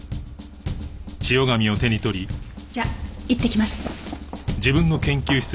じゃあいってきます。